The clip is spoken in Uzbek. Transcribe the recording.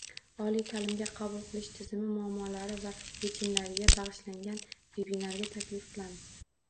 Oliy taʼlimga qabul qilish tizimi, muammolari va yechimlariga bagʻishlangan vebinarga taklif qilamiz.